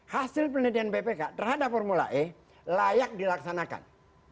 hasil penelitian bpk terhadap formula e layak dilaksanakan